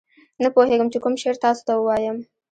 نه پوهېږم چې کوم شعر تاسو ته ووایم.